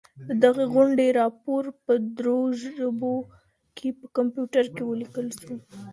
د دغي غونډې راپور په درو ژبو کي په کمپیوټر کي ولیکل سو.